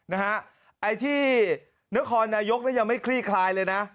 อัญญาณที่นครนายุกต์ยังไม่คลี่คล้ายเลยนะ